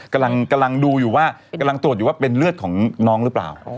กำลังดูอยู่ว่ากำลังตรวจอยู่ว่าเป็นเลือดของน้องหรือเปล่า